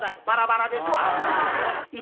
バラバラですわ。